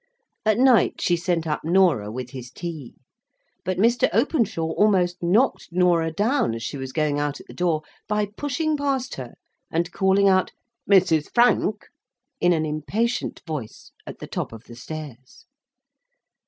At night she sent up Norah with his tea. But Mr. Openshaw almost knocked Norah down as she was going out at the door, by pushing past her and calling out "Mrs. Frank!" in an impatient voice, at the top of the stairs.